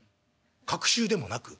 隔週でもなく？